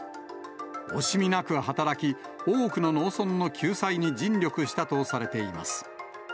惜しみなく働き、多くの農村の救済に尽力したとされています。